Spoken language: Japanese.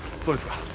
そうですか。